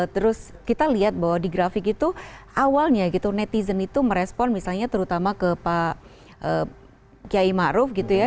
terus kita lihat bahwa di grafik itu awalnya gitu netizen itu merespon misalnya terutama ke pak kiai ⁇ maruf ⁇ gitu ya